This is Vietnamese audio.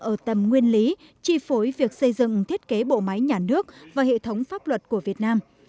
ở tầm nguyên lý chi phối việc xây dựng thiết kế bộ máy nhà nước và hệ thống pháp luật của việt nam